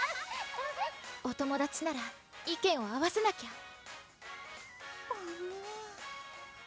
お友達なら意見を合わせなきゃパム